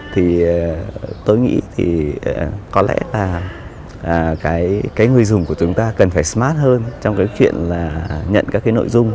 thì tôi nghĩ thì có lẽ là cái người dùng của chúng ta cần phải smart hơn trong cái chuyện là nhận các cái nội dung